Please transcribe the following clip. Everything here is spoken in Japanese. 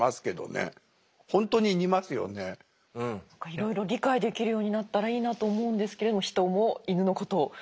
いろいろ理解できるようになったらいいなと思うんですけれどもヒトもイヌのことを。